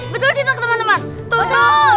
betul tidak teman teman